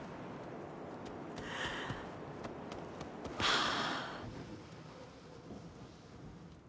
はあ。